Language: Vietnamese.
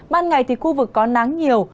ban ngày thì khu vực có nắng nhiều